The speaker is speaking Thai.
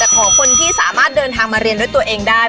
ขอคนที่สามารถเดินทางมาเรียนด้วยตัวเองได้